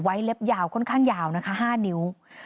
เล็บยาวค่อนข้างยาวนะคะ๕นิ้ว